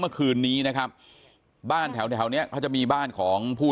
เมื่อคืนนี้นะครับบ้านแถวแถวเนี้ยเขาจะมีบ้านของผู้